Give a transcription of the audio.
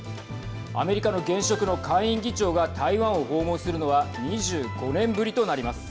アメリカの現職の下院議長が台湾を訪問するのは２５年ぶりとなります。